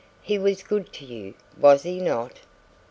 "He was good to you, was he not?"